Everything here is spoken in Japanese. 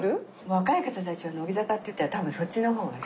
若い方たちは乃木坂っていったら多分そっちの方がね。